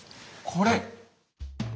これ。